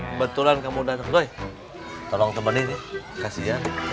kebetulan kamu datang doi tolong temanin ya kasian